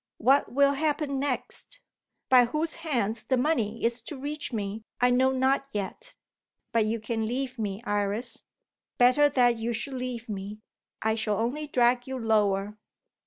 What will happen next? By whose hands the money is to reach me I know not yet. But you can leave me, Iris. Better that you should leave me I shall only drag you lower."